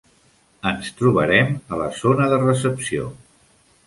Ens trobarem a la zona de recepció.